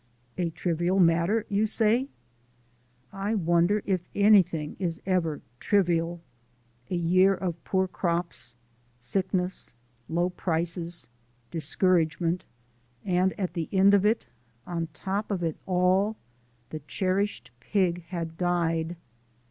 A trivial matter, you say? I wonder if anything is ever trivial. A year of poor crops, sickness, low prices, discouragement and, at the end of it, on top of it all, the cherished pig had died!